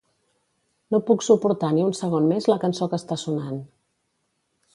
No puc suportar ni un segon més la cançó que està sonant.